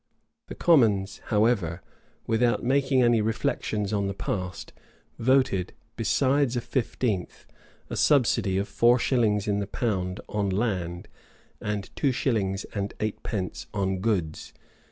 The commons, however, without making any reflections on the past, voted, besides a fifteenth, a subsidy of four shillings in the pound on land, and two shillings and eightpence on goods.